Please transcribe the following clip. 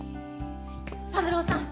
三郎さん